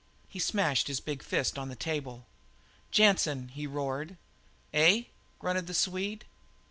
He smashed his big fist on the table. "Jansen!" he roared. "Eh?" grunted the Swede.